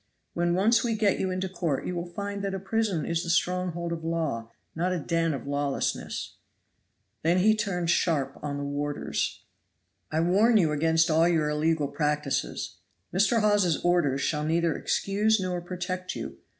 When once we get you into court you will find that a prison is the stronghold of law, not a den of lawlessness." He then turned sharp on the warders. "I warn you against all your illegal practices. Mr. Hawes's orders shall neither excuse nor protect you.